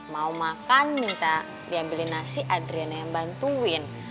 mau makan minta diambilin nasi adrian yang bantuin